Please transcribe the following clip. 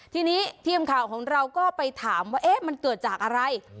ทีนี้ทีมข่าวของเราก็ไปถามว่ามันเกิดจากอะไร